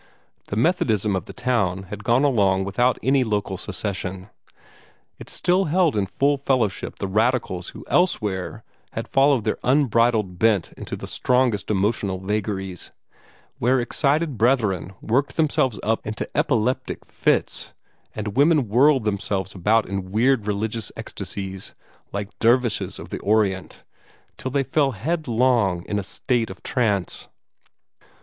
The Methodism of the town had gone along without any local secession. It still held in full fellowship the radicals who elsewhere had followed their unbridled bent into the strongest emotional vagaries where excited brethren worked themselves up into epileptic fits, and women whirled themselves about in weird religious ecstasies, like dervishes of the Orient, till they fell headlong in a state of trance.